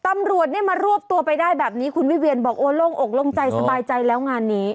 ตำรวจเนี่ยมารวบตัวไปได้แบบนี้คุณวิเวียนบอกโอ้โล่งอกโล่งใจสบายใจแล้วงานนี้